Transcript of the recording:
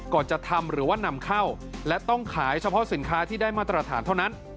จะทำหรือว่านำเข้าและต้องขายเฉพาะสินค้าที่ได้มาตรฐานเท่านั้น